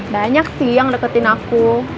banyak sih yang deketin aku